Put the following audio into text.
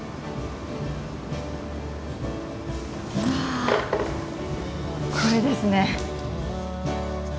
うわこれですね！